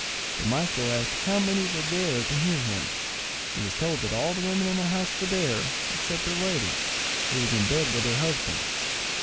The maestro asked how many were there to hear him, and was told that all the women in the house were there, except their lady, who was in bed with her husband.